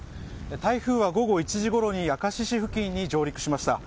台風は午後１時ごろに明石市付近に上陸しました。